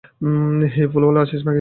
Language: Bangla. হেই, ফুলওয়ালা, আছিস নাকি?